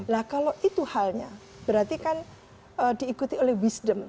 nah kalau itu halnya berarti kan diikuti oleh wisdom